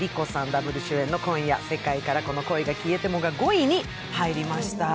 ダブル主演の「今夜、世界からこの恋が消えても」が５位に入りました。